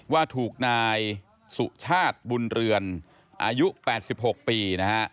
ว่าถูกนายศุชาติบุญเรือนพระอายุ๘๖ปี